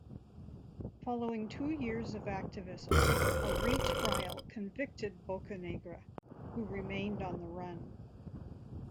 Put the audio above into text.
Following two years of activism, a retrial convicted Bocanegra who remained on the run.